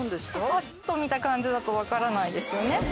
パッと見た感じだとわからないですよね？